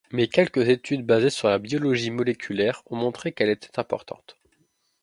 Mais quelques études basées sur la biologie moléculaire ont montré qu'elle était importante.